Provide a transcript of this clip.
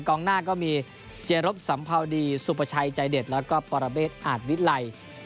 กองหน้าก็มีเจรบสัมภาวดีสุประชัยใจเด็ดแล้วก็ปรเบศอาจวิลัย